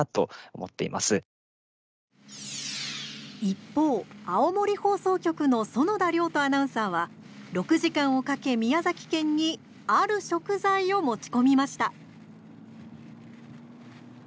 一方、青森放送局の園田遼斗アナウンサーは６時間をかけ、宮崎県にある食材を持ち込みました。